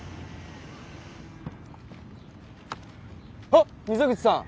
あっ溝口さん！